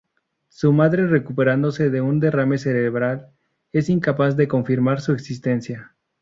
Su madre, recuperándose de un derrame cerebral, es incapaz de confirmar su existencia.